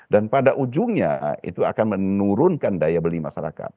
dan pada ujungnya itu akan menurunkan daya beli masyarakat